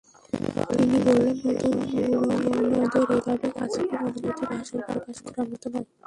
তিনি বললেন, নতুন-পুরোনোদের এভাবে কাছে পাওয়ার অনুভূতি ভাষায় প্রকাশ করার মতো নয়।